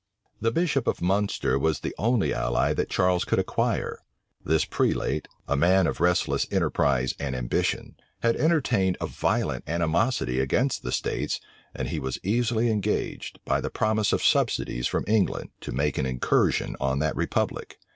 The bishop of Munster was the only ally that Charles could acquire. This prelate, a man of restless enterprise and ambition, had entertained a violent animosity against the states and he was easily engaged, by the promise of subsidies from England, to make an incursion on that republic.